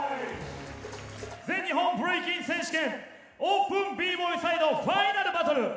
全日本ブレイキン選手権オープンＢＢＯＹサイドファイナルバトル。